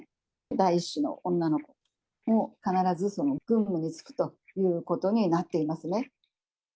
第１子の女の子も必ず軍務に就くということになっていますね。